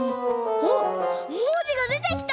あっもじがでてきた！